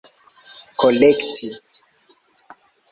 kolekti